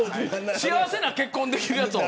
幸せな結婚ができるやつを。